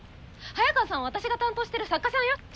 早川さんは私が担当してる作家さんよ？